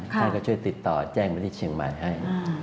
ท่านก็ช่วยติดต่อแจ้งไปที่เชียงใหม่ให้